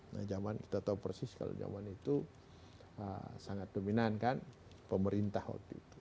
nah zaman kita tahu persis kalau zaman itu sangat dominan kan pemerintah waktu itu